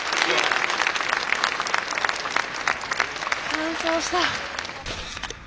完走した。